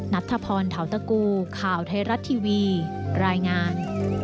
นัทธพรเทาตะกูข่าวไทยรัฐทีวีรายงาน